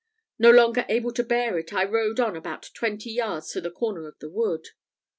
No longer able to bear it, I rode on about twenty yards to the corner of the wood.